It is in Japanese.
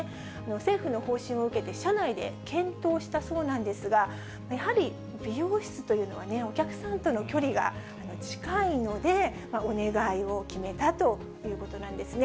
政府の方針を受けて、社内で検討したそうなんですが、やはり美容室というのはね、お客さんとの距離が近いので、お願いを決めたということなんですね。